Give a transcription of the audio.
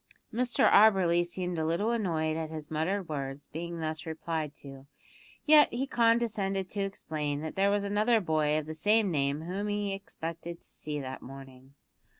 Mr Auberly seemed a little annoyed at his muttered words being thus replied to, yet he condescended to explain that there was another boy of the same name whom he expected to see that morning.